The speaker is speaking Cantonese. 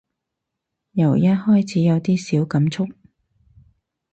由一開始有啲小感觸